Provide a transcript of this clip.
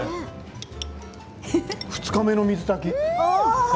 ２日目の水炊き。